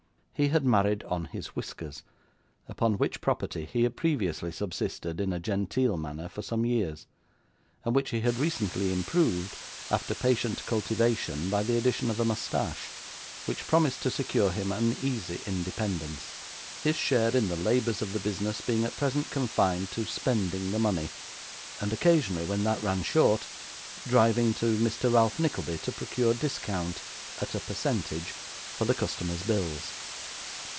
He had married on his whiskers; upon which property he had previously subsisted, in a genteel manner, for some years; and which he had recently improved, after patient cultivation by the addition of a moustache, which promised to secure him an easy independence: his share in the labours of the business being at present confined to spending the money, and occasionally, when that ran short, driving to Mr. Ralph Nickleby to procure discount at a percentage for the customers' bills.